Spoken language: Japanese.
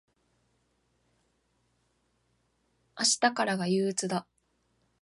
明日からが憂鬱だ。